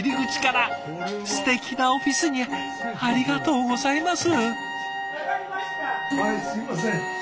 すてきなオフィスにありがとうございます！